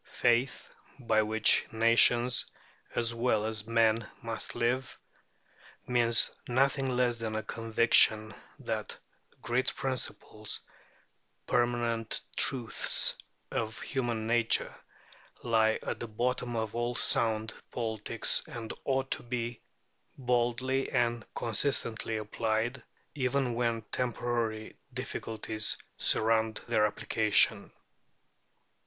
Faith, by which nations as well as men must live, means nothing less than a conviction that great principles, permanent truths of human nature, lie at the bottom of all sound politics, and ought to be boldly and consistently applied, even when temporary difficulties surround their application.